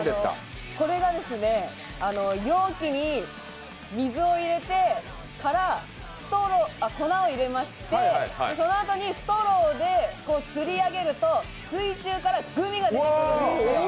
これが容器に水を入れてから粉を入れまして、そのあとにストローで釣り上げると水中からグミが出てくるんです。